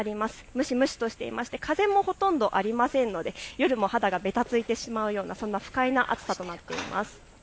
蒸し蒸しとしていまして風もほとんどありませんので夜も肌がべたついてしまうようなそんな不快な暑さとなっています。